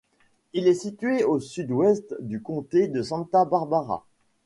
Il est situé au sud-ouest du comté de Santa Barbara.